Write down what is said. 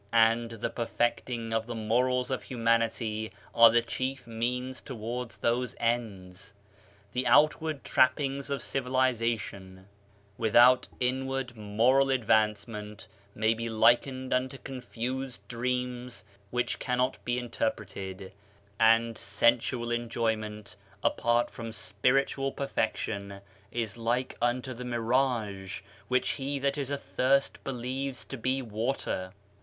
And the perfecting of the morals of humanity are the chief means towards those ends. The outward trappings of civilization, 69 Digitized by Google MYSTERIOUS FORCES without inward moral advancement, may be likened unto confused dreams which cannot be interpreted; and sensual enjoyment, apart from spiritual perfection , is like unto the mirage which he that is athirst believes to be water.